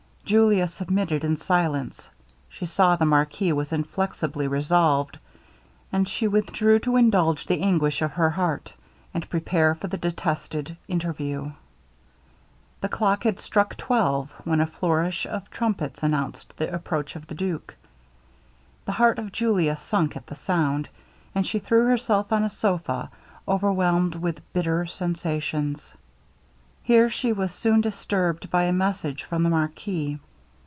Julia submitted in silence. She saw the marquis was inflexibly resolved, and she withdrew to indulge the anguish of her heart, and prepare for this detested interview. The clock had struck twelve, when a flourish of trumpets announced the approach of the duke. The heart of Julia sunk at the sound, and she threw herself on a sopha, overwhelmed with bitter sensations. Here she was soon disturbed by a message from the marquis.